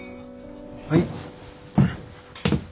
はい。